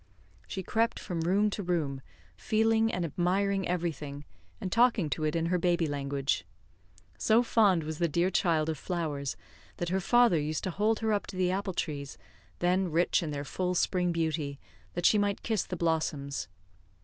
She crept from room to room, feeling and admiring everything, and talking to it in her baby language. So fond was the dear child of flowers, that her father used to hold her up to the apple trees, then rich in their full spring beauty, that she might kiss the blossoms.